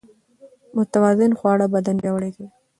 متوازن خواړه بدن پياوړی کوي.